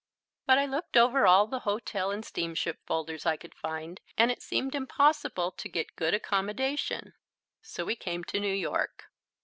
But I looked over all the hotel and steamship folders I could find and it seemed impossible to get good accommodation, so we came to New York.